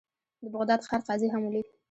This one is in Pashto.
د بغداد ښار قاضي هغه ولید.